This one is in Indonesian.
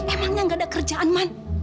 emangnya gak ada kerjaan man